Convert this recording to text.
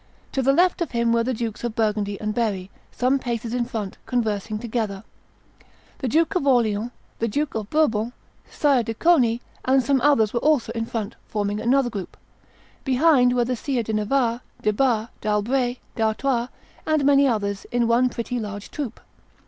To the left of him were the Dukes of Burgundy and Berry, some paces in front, conversing together. The Duke of Orleans, the Duke of Bourbon, Sire de Coney, and some others were also in front, forming another group. Behind were Sires de Navarre, de Bar, d'Albret, d'Artois, and many others in one pretty large troop.